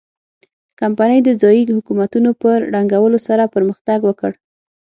کمپنۍ د ځايي حکومتونو په ړنګولو سره پرمختګ وکړ.